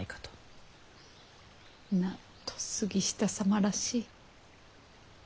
なんと杉下様らしい。